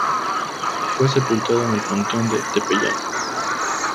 Fue sepultado en el Panteón del Tepeyac.